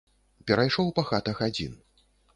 Перайшоў па хатах адзін.